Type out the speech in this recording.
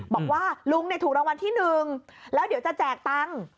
บอกว่าลุงถูกรางวัลที่๑แล้วเดี๋ยวจะแจกตังค์